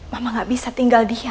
mama gak bisa tinggal diam kasian abi